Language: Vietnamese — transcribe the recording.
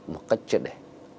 một cách triệt đề